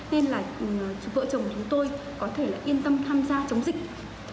nên là vợ chồng của chúng tôi có thể yên tâm tham gia chống dịch